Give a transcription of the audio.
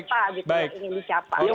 sebetulnya apa gitu